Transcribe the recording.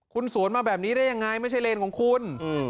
คุณสวนมาแบบนี้ได้ยังไงไม่ใช่เลนของคุณ